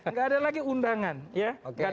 nggak ada lagi undangan ya